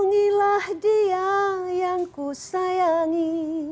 sendungilah dia yang kusayangi